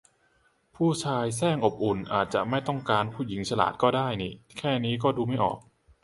ผู้ชายแสร้งอบอุ่น อาจจะไม่ต้องการหญิงฉลาดก็ได้นิ แค่นี้ก็ดูไม่ออก